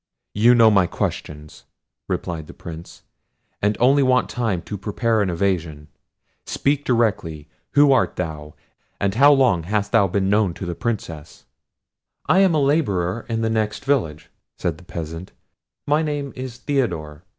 "You know my questions," replied the Prince, "and only want time to prepare an evasion. Speak directly; who art thou? and how long hast thou been known to the Princess?" "I am a labourer at the next village," said the peasant; "my name is Theodore.